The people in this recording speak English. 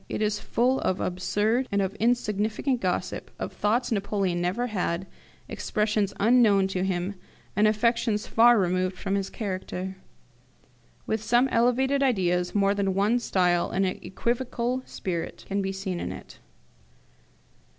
It is full of absurd and of insignificant gossip, of thoughts Napoleon never had, expressions unknown to him, and affectations far removed from his character. With some elevated ideas, more than one style and an equivocal spirit can be seen in it.